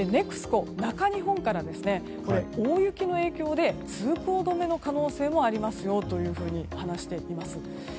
ＮＥＸＣＯ中日本から大雪の影響で通行止めの可能性もありますよと話しています。